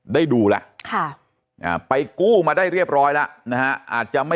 ได้ดูแล้ว